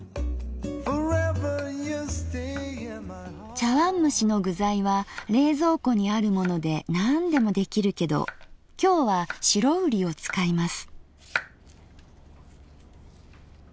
茶わんむしの具材は冷蔵庫にあるものでなんでも出来るけど今日は白瓜を使います。